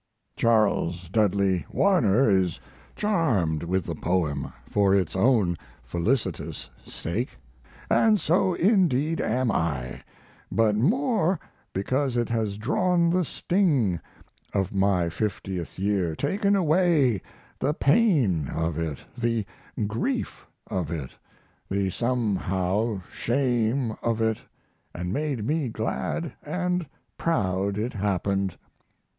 Charles Dudley Warner is charmed with the poem for its own felicitous sake; and so indeed am I, but more because it has drawn the sting of my fiftieth year; taken away the pain of it, the grief of it, the somehow shame of it, and made me glad and proud it happened.